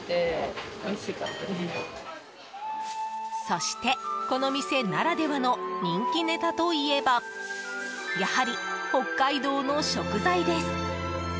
そして、この店ならではの人気ネタといえばやはり北海道の食材です。